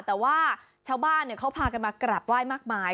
แต่ว่าชาวบ้านเขาพากันมากราบไหว้มากมาย